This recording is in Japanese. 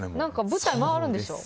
舞台回るんでしょ？